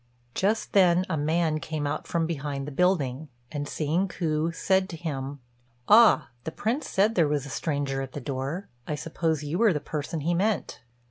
Just then a man came out from behind the building, and, seeing Ku, said to him, "Ah, the Prince said there was a stranger at the door; I suppose you are the person he meant."